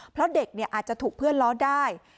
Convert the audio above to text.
เพราะเด็กอาจจะถูกเพื่อนล้อได้